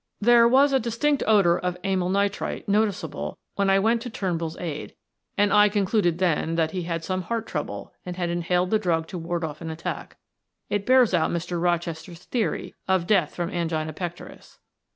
"There was a distinct odor of amyl nitrite noticeable when I went to Turnbull's aid, and I concluded then that he had some heart trouble and had inhaled the drug to ward off an attack. It bears out Mr. Rochester's theory of death from angina pectoris."